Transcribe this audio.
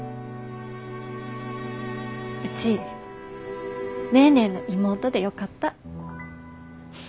うちネーネーの妹でよかった。